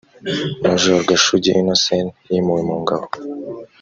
majoro gashugi innocent yimuwe mu ngabo